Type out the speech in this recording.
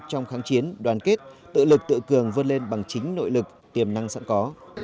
trong kháng chiến đoàn kết tự lực tự cường vươn lên bằng chính nội lực tiềm năng sẵn có